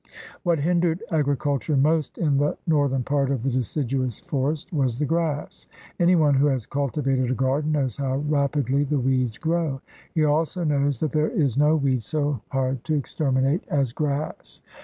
' What hindered agriculture most in the northern part of the deciduous forest was the grass. Any one who has cultivated a garden knows how rapidly the weeds grow. He also knows that there is no weed so hard to exterminate as grass.